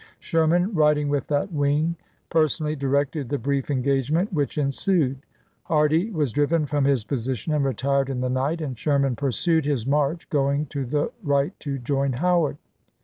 Sherman, riding with that wing, personally directed the brief engagement which ensued; Hardee was driven from his posi tion and retired in the night, and Sherman pursued his march, going to the right to join Howard.